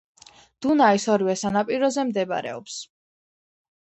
დუნაის ორივე სანაპიროზე მდებარეობს.